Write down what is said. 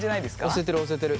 押せてる押せてる。